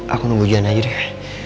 aku nunggu jan aja deh